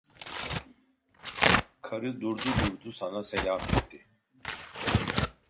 Karı durdu durdu sana selam etti.